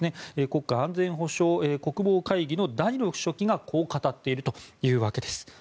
国家安全保障・国防会議のダニロフ氏がこう語っているというわけです。